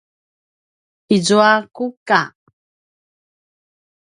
izua kuka